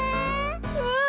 うん！